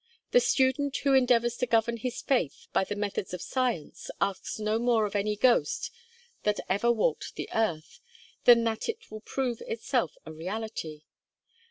The student who endeavours to govern his faith by the methods of science asks no more of any ghost that ever walked the earth, than that it will prove itself a reality.